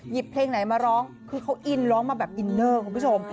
เพลงไหนมาร้องคือเขาอินร้องมาแบบอินเนอร์คุณผู้ชม